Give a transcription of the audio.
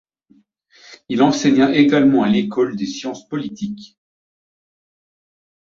Il enseigna également à l’École des Sciences Politiques.